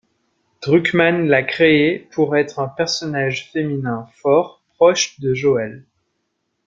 Druckmann l'a créée pour être un personnage féminin fort proche de Joel.